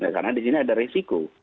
karena di sini ada risiko